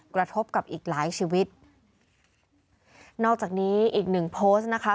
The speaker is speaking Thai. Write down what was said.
กระทบกับอีกหลายชีวิตนอกจากนี้อีกหนึ่งโพสต์นะคะ